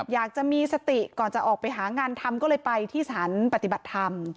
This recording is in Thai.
อยากจะมีสติก่อนจะออกไปหางานทำก็เลยไปที่สถานปฏิบัติธรรม